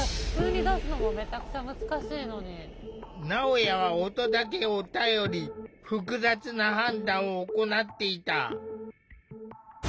なおやは音だけを頼り複雑な判断を行っていた。